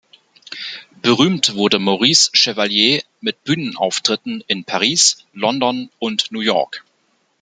Berühmt wurde Maurice Chevalier mit Bühnenauftritten in Paris, London und New York.